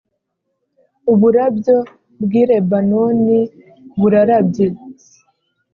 uburabyo bw’i Lebanoni burarabye